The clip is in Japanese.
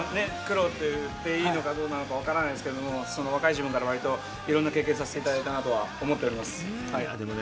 苦労と言っていいのかどうなのかわからないですけど、若い時分からいろいろ経験させていただいたと思っております。